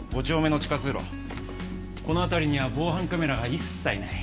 この辺りには防犯カメラが一切ない。